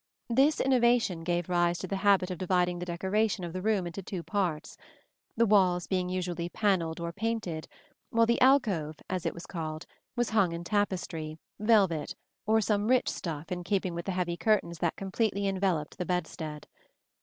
This innovation gave rise to the habit of dividing the decoration of the room into two parts; the walls being usually panelled or painted, while the "alcove," as it was called, was hung in tapestry, velvet, or some rich stuff in keeping with the heavy curtains that completely enveloped the bedstead.